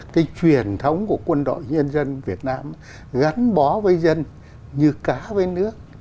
cái truyền thống của quân đội nhân dân việt nam gắn bó với dân như cá với nước